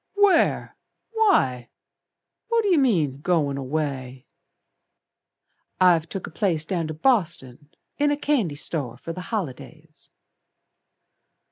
"Where? Why? What yer mean goin' away?" "I've took a place Down to Boston, in a candy store For the holidays."